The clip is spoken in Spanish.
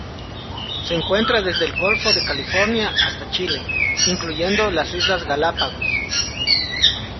Se encuentra desde el Golfo de California hasta Chile, incluyendo las Islas Galápagos.